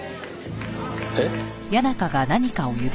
えっ？